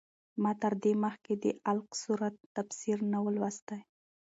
ما تر دې مخکې د علق سورت تفسیر نه و لوستی.